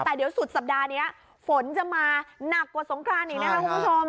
แต่เดี๋ยวสุดสัปดาห์นี้ฝนจะมาหนักกว่าสงครานอีกนะคะคุณผู้ชม